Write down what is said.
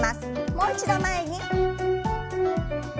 もう一度前に。